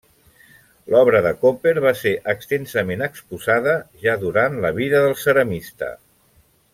L'obra de Coper va ser extensament exposada, ja durant la vida del ceramista.